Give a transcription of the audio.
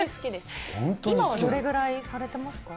今はどれぐらいされてますか？